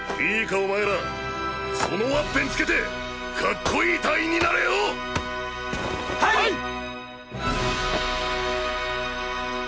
お前らそのワッペンつけてカッコいい隊員になれはいっ！